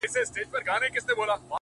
قاتل ژوندی دی; مړ یې وجدان دی;